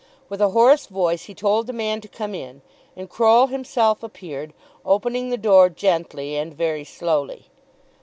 With a hoarse voice he told the man to come in, and Croll himself appeared, opening the door gently and very slowly.